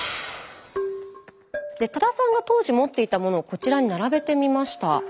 多田さんが当時持っていたものをこちらに並べてみました。